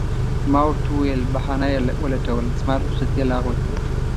ما ورته وویل: بهانه یې ولټول، زما رخصتي یې لغوه کړه.